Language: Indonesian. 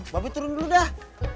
babi turun dulu dah